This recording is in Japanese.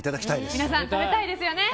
皆さん食べたいですよね。